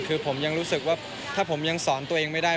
คือผมยังรู้สึกว่าถ้าผมยังสอนตัวเองไม่ได้